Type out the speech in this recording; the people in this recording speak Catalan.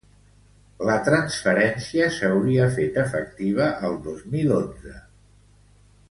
La transferència s’hauria fet efectiva el dos mil onze.